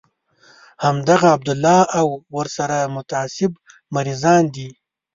همدغه عبدالله او ورسره متعصب مريضان دي.